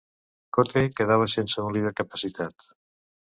Kotte quedava sense un líder capacitat.